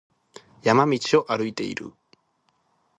山道を歩いている。